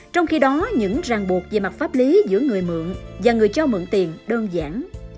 trong khi đó những ràng buộc về mặt pháp lý giữa người mượn và người cho mượn tiền đơn giản